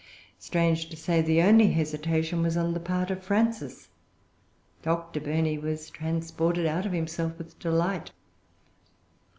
Strange to say, the only hesitation was on the part of Frances. Dr. Burney was transported out of himself with delight.